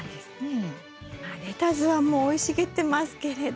まあレタスはもう生い茂ってますけれど。